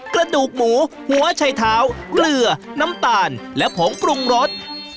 กระดูกหมูหัวชัยเท้าเกลือน้ำตาลและผงปรุงรส